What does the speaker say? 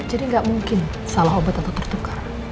jadi gak mungkin salah obat atau tertukar